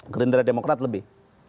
gerindra demokrat lebih